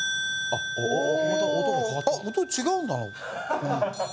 あっ音違うんだな。